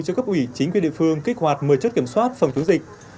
cho cấp ủy chính quyền địa phương kích hoạt một mươi chốt kiểm soát phòng chống dịch